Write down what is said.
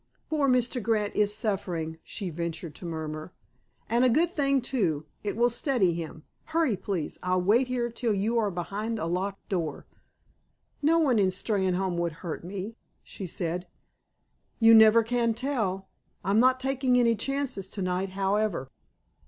"Poor Mr. Grant is suffering," she ventured to murmur. "And a good thing, too. It will steady him. Hurry, please. I'll wait here till you are behind a locked door." "No one in Steynholme will hurt me," she said. "You never can tell. I'm not taking any chances to night, however."